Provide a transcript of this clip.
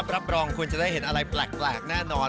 รับรองคุณจะได้เห็นอะไรแปลกแน่นอน